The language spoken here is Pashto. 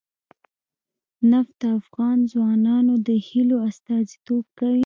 نفت د افغان ځوانانو د هیلو استازیتوب کوي.